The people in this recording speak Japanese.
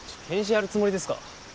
検視やるつもりですか？